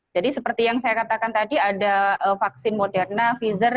jadi seperti yang saya katakan tadi ada vaksin moderna pfizer